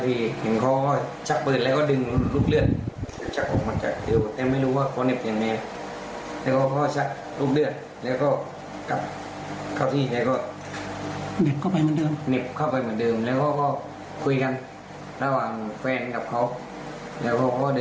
หลังจากนั้นถูกก็ได้ยินเสียงพื้นนัดเดียวเลยก็นึกว่าเด็กมันเล่นประทัดอะไรกัน